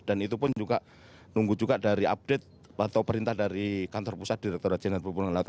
dan itu pun juga nunggu juga dari update atau perintah dari kantor pusat direktur raja nenek pupul nelata